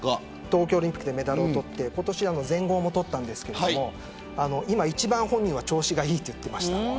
東京オリンピックでメダルを取って今年、全豪も取ったんですが今、一番本人は調子がいいと言っていました。